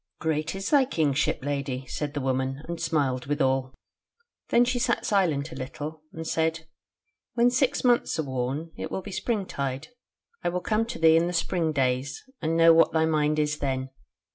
"'Great is thy Kingship, Lady,' said the woman, and smiled withal. Then she sat silent a little, and said: 'When six months are worn, it will be springtide; I will come to thee in the spring days, and know what thy mind is then.